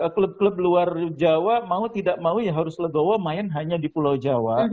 klub klub luar jawa mau tidak mau ya harus legowo main hanya di pulau jawa